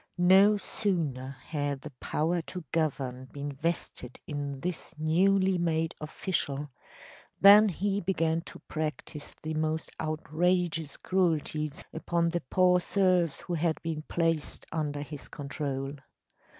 No sooner had the power to govern been vested in this newly made official than he began to practice the most outrageous cruelties upon the poor serfs who had been placed under his control.